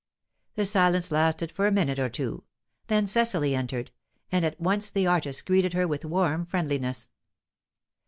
The silence lasted for a minute or two; then Cecily entered, and at once the artist greeted her with warm friendliness.